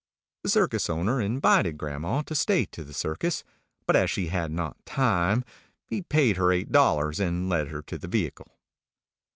The circus owner invited grandma to stay to the circus; but as she had not time, he paid her eight dollars, and led her to the vehicle.